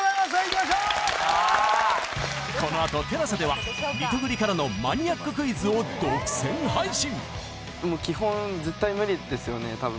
このあと ＴＥＬＡＳＡ ではリトグリからのマニアッククイズを独占配信！